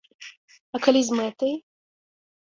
А калі з мэтай?